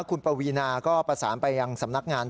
คุณปวีนาก็ประสานไปยังสำนักงาน